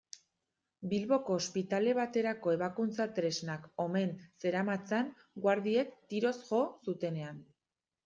Bilboko ospitale baterako ebakuntza-tresnak omen zeramatzan, guardiek tiroz jo zutenean.